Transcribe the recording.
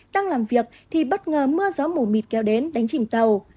đang làm việc thì bất ngờ mưa gió mù mịt kéo đến đánh chìm tàu